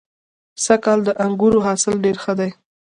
سږ کال د انګورو حاصل ډېر ښه دی.